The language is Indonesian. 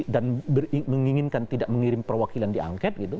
dan menginginkan tidak mengirim perwakilan di angket gitu